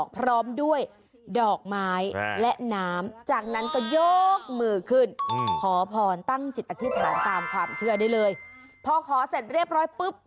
พอขอเสร็จเรียบร้อยปุ๊บ